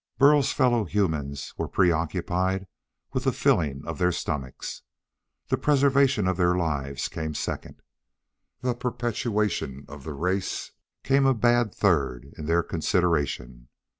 Burl's fellow humans were preoccupied with the filling of their stomachs. The preservation of their lives came second. The perpetuation of the race came a bad third in their consideration.